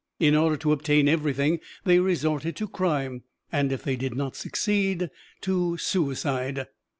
In order to obtain everything they resorted to crime, and if they did not succeed to suicide.